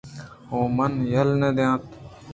آ من ءَ یل نہ دنت